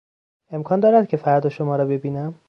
امکان دارد که فردا شما را ببینم؟